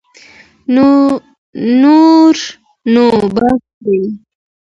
نور نو بس دی.